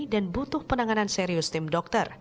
dan butuh penanganan serius tim dokter